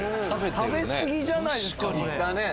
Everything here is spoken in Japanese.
食べ過ぎじゃないですか。